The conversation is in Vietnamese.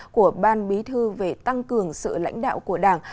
của ban bí thư về tăng cường sự lãnh đạo của đảng